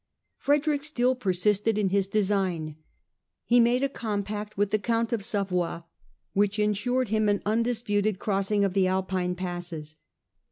Frederick still persisted in his design. He made a compact with the Count of Savoy which ensured him an undisputed crossing of the Alpine passes.